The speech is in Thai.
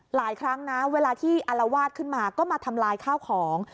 หลายครั้งนะเวลาที่อารวาสขึ้นมาก็มาทำลายข้าวของ